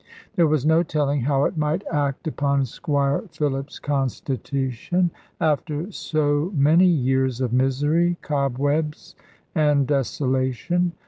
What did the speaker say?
There was no telling how it might act upon Squire Philip's constitution, after so many years of misery, cobwebs, and desolation.